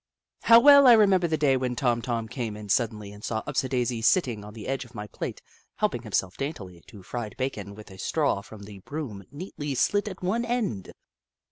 How well I remember the day when Tom Tom came in suddenly, and saw Upsidaisi sitting on the edge of my plate, helping himself daintily to fried bacon with a straw from the broom neatly slit at one end